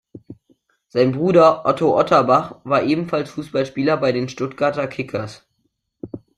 Sein Bruder Otto Otterbach war ebenfalls Fußballspieler bei den Stuttgarter Kickers.